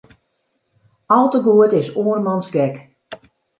Al te goed is oarmans gek.